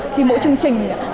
thì mỗi chương trình